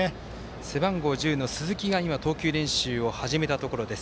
背番号１０の鈴木が今、投球練習を始めたところです。